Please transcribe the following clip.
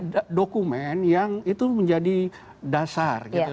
ada dokumen yang itu menjadi dasar gitu